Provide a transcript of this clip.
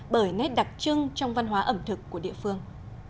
bởi nét đặc trưng trong văn hóa ẩm thực của địa phương